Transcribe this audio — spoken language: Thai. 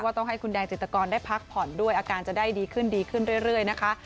ต้องให้คุณแดงจิตกรได้พักผ่อนด้วยอาการจะได้ดีขึ้นดีขึ้นเรื่อยนะคะ